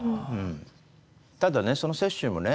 ただねその雪舟もね